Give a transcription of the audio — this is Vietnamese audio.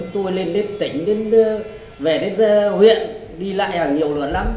tôi lên đến tỉnh về đến huyện đi lại hàng nhiều lần lắm